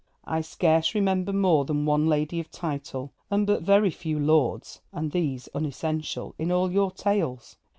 I scarce remember more than one lady of title, and but very few lords (and these unessential) in all your tales.